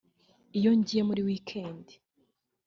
iyo ngiye muri weekend